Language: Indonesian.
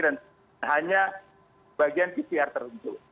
dan hanya bagian pcr terhentu